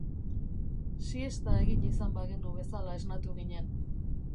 Siesta egin izan bagenu bezala esnatu ginen.